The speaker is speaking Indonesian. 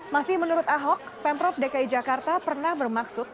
masih menurut ahok pemprov dki jakarta pernah bermaksud